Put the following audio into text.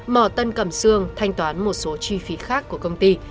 mỏ tân cẩm sương thanh toán một số chi phí khác của công ty